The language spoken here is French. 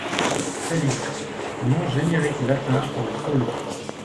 Salix: nom générique latin pour le saule.